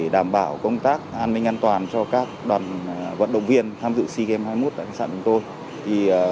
đảm bảo công tác an ninh an toàn cho các đoàn vận động viên tham dự cgm hai mươi một tại khách sạn của tôi